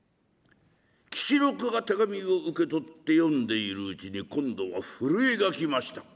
吉六が手紙を受け取って読んでいるうちに今度は震えが来ました。